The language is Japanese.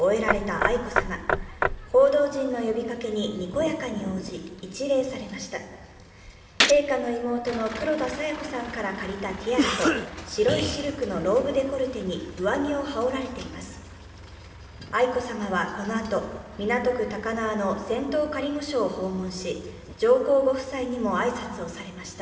愛子さまはこのあと、港区高輪の仙洞仮御所を訪問し上皇ご夫妻にも挨拶をされました。